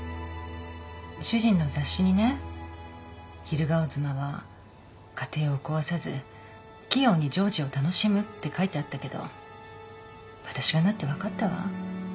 主人の雑誌にね昼顔妻は家庭を壊さず器用に情事を楽しむって書いてあったけど私がなって分かったわ。